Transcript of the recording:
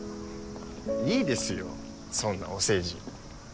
いいですよそんなお世辞。